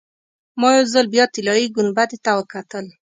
ما یو ځل بیا طلایي ګنبدې ته وکتل.